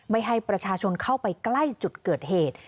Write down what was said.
ไม่ให้ประชาชนเข้าไปใกล้จุดเกิดเหตุ